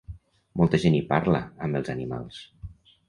Molta gent hi parla, amb els animals.